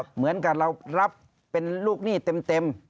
เหมือนกับเรารับเป็นลูกหนี้เต็ม